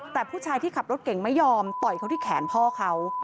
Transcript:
แต่ผู้ชายที่ขับรถเก่งไม่ยอมต่อยเขาที่แขนพ่อเขา